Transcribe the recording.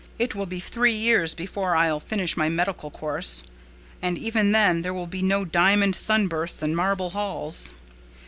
"It will be three years before I'll finish my medical course. And even then there will be no diamond sunbursts and marble halls."